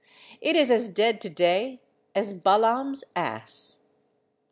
It is as dead to day as Baalam's ass.